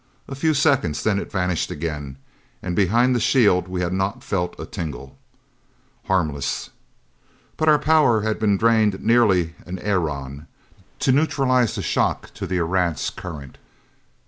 A few seconds, then it vanished again, and behind the shield we had not felt a tingle. "Harmless!" But our power had been drained nearly an aeron, to neutralize the shock to the Erentz current.